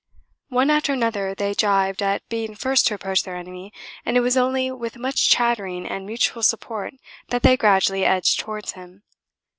One after another they jibbed at being first to approach their enemy, and it was only with much chattering and mutual support that they gradually edged towards him.